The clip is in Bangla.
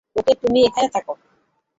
ওকে, তুমি এখানে থাক।